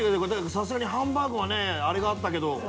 さすがにハンバーグはねあれがあったけど。